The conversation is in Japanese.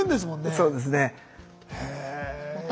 そうですね。